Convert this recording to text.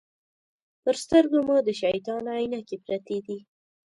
پر سترګو مو د شیطان عینکې پرتې دي.